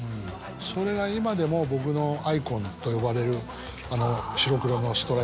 それが今でも僕のアイコンと呼ばれるあの。